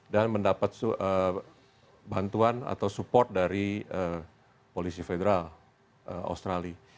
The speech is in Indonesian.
dan mendapat bantuan atau support dari polisi federal australia